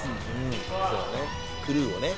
「クルーをね。